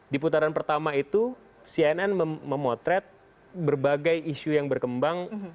di putaran pertama itu cnn memotret berbagai isu yang berkembang